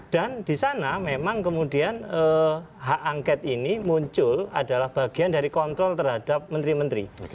dan di sana memang kemudian hak angket ini muncul adalah bagian dari kontrol terhadap menteri menteri